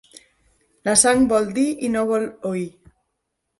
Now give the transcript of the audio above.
La sang vol dir i no vol oir.